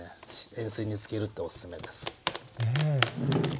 塩水につけるっておすすめです。